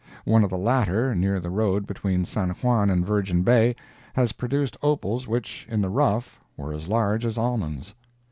One of the latter, near the road between San Juan and Virgin Bay, has produced opals which, in the rough, were as large as almonds.